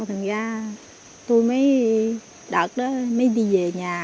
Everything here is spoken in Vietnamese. thành ra tôi mới đợt đó mới đi về nhà